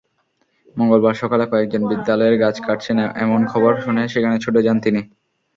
মঙ্গলবার সকালে কয়েকজন বিদ্যালয়ের গাছ কাটছেন—এমন খবর শুনে সেখানে ছুটে যান তিনি।